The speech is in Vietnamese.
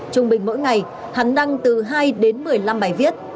trung bình mỗi ngày hắn đăng từ hai đến một mươi năm bài viết